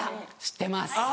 知ってます。